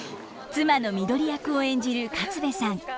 妻の緑役を演じる勝部さん。